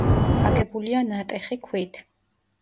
აგებულია ნატეხი ქვით.